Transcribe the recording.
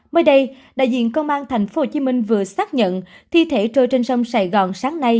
mới đây đại diện công an tp hcm vừa xác nhận thi thể trôi trên sông sài gòn sáng nay